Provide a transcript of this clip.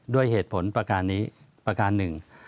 ด้วยเหตุผลประการนี้ประการหนึ่ง